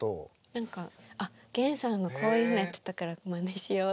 何か源さんがこういうのやってたからまねしようとか。